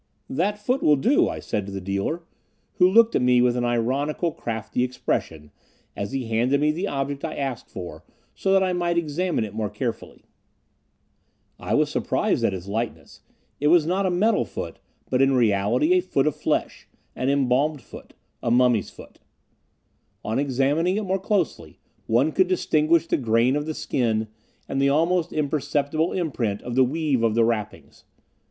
"That foot will do," I said to the dealer, who looked at me with an ironical, crafty expression, as he handed me the object I asked for, so that I might examine it more carefully. I was surprised at its lightness. It was not a metal foot but in reality a foot of flesh, an embalmed foot, a mummy's foot; on examining it more closely, one could distinguish the grain of the skin, and the almost imperceptible imprint of the weave of the wrappings.